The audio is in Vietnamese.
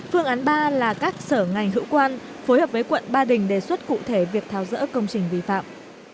phương án ba là các sở ngành hữu quan phối hợp với quận ba đình đề xuất cụ thể việc tháo rỡ công trình vi phạm